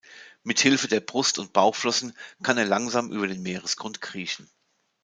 Mit Hilfe der Brust- und Bauchflossen kann er langsam über den Meeresgrund kriechen.